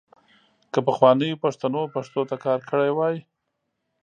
که پخوانیو پښتنو پښتو ته کار کړی وای .